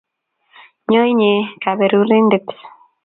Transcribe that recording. Nyo inye kaberurindet